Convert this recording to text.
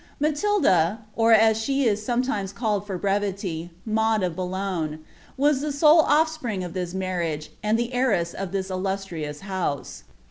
Matilda, or, as she is sometimes called for brevity, Maud of Boulogne, was the fole of&pring of this marriage, and the heiress of this illustrious house.